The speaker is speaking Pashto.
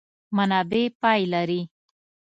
منابع پای لري.